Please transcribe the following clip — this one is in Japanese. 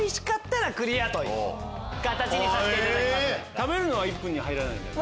食べるのは１分に入らないよね？